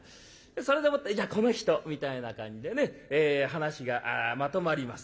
それでもって「じゃあこの人」みたいな感じでね話がまとまります。